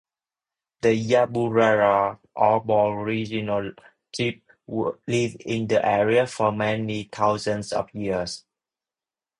The Yaburrara Aboriginal tribe lived in the area for many thousands of years.